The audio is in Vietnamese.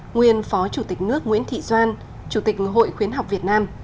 nguyên phó chủ tịch nước nguyễn thị doan chủ tịch hội khuyến học việt nam